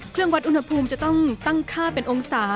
เครื่องวัดอุณหภูมิจะต้องตั้งค่าเป็นองศา